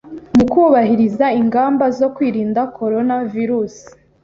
mu kubahiriza ingamba zo kwirinda Coronavirus